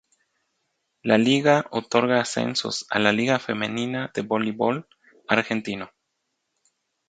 La liga otorga ascensos a la Liga Femenina de Voleibol Argentino.